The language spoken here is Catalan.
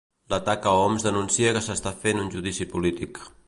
L'atac a Homs denuncia que s'està fent un judici polític.